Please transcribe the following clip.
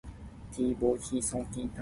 車幫